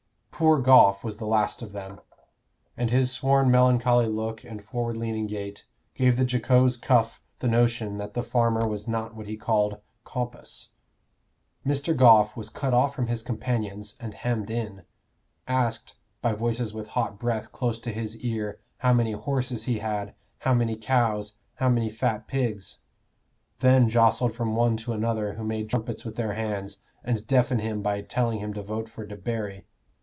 Poor Goffe was the last of them, and his worn melancholy look and forward leaning gait gave the jocose Cuff the notion that the farmer was not what he called "compus." Mr. Goffe was cut off from his companions and hemmed in: asked, by voices with hot breath close to his ear, how many horses he had, how many cows, how many fat pigs; then jostled from one to another, who made trumpets with their hands, and deafened him by telling him to vote for Debarry.